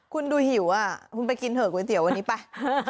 คุณดูหิวคุณไปกินเถอะก๋วยเตี๋ยววันนี้ไป